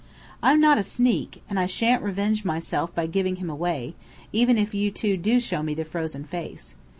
I'm not a sneak, and I shan't revenge myself by giving him away, even if you two do show me the frozen face.